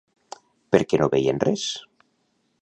Per què no veien res?